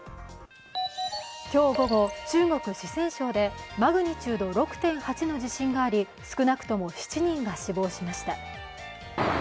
今日午後、中国・四川省でマグニチュード６．８の地震があり少なくとも７人が死亡しました。